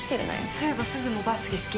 そういえばすずもバスケ好きだよね？